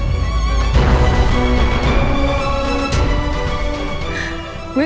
gue gak mau mulai